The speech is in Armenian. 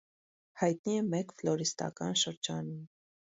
Հայտնի է մեկ ֆլորիստական շրջանում։